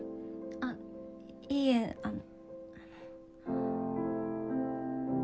あっいえあの。